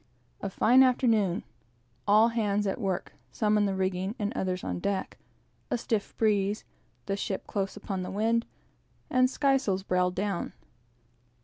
A fine afternoon; all hands at work, some in the rigging, and others on deck; a stiff breeze, and ship close upon the wind, and skysails brailed down.